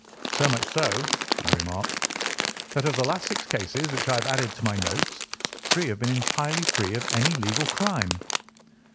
"So much so," I remarked, "that of the last six cases which I have added to my notes, three have been entirely free of any legal crime."